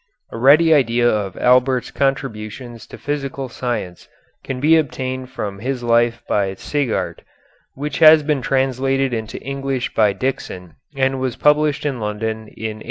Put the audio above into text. A ready idea of Albert's contributions to physical science can be obtained from his life by Sighart, which has been translated into English by Dixon and was published in London in 1870.